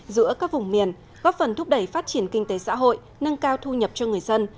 giữa các vùng miền góp phần thúc đẩy phát triển kinh tế xã hội nâng cao thu nhập cho người dân